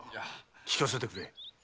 聞かせてくれ。